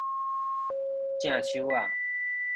正手仔